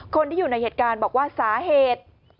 คนที่อยู่ในเหตุการณ์บอกว่าสาเหตุ